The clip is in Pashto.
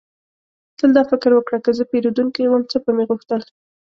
تل دا فکر وکړه: که زه پیرودونکی وم، څه به مې غوښتل؟